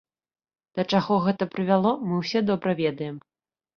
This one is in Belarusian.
Да чаго гэта прывяло, мы ўсе добра ведаем.